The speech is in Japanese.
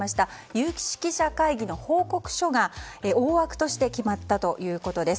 有識者会議の報告書が大枠として決まったということです。